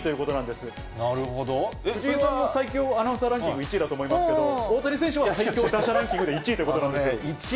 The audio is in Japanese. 藤井さんも、アナウンサーランキングで１位だと思いますけど、大谷選手は最強打者ランキングで１位ということなんです。